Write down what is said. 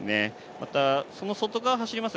また、その外側を走ります